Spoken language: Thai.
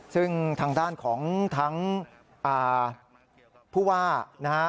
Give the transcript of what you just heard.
ซึ่งทางด้านของทั้งผู้ว่านะฮะ